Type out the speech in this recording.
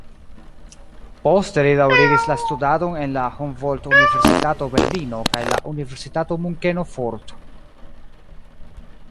Poste li daŭrigis la studadon en la Humboldt-universitato Berlino kaj la universitato Munkeno fort.